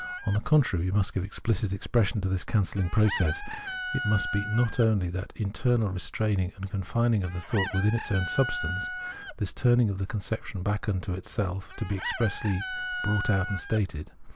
On the contrary, we must give explicit expression to this cancelling process ; it must be not only that internal restraining and con fining of thought within its own substance ; this turning of the conception back into itself has to be expressly brought out and stated.